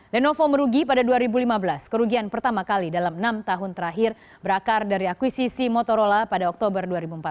lenovo merugi pada dua ribu lima belas kerugian pertama kali dalam enam tahun terakhir berakar dari akuisisi motorola pada oktober dua ribu empat belas